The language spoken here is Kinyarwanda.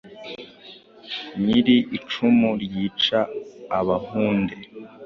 Nyir-icumu ryica Abahunde